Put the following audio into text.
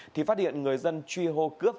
thì phát hiện người dân truy hô cướp